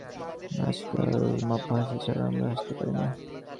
আজকাল মাপা হাসি ছাড়া আমরা হাসতে পারি না।